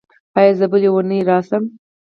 ایا زه بلې اونۍ راشم؟